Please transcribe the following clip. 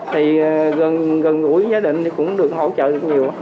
thì gần gũi với gia đình thì cũng được hỗ trợ được nhiều